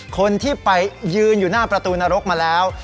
คนที่ไปยืนอยู่หน้าประตูนรกมาแล้ว